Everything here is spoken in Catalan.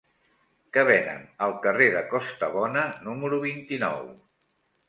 Què venen al carrer de Costabona número vint-i-nou?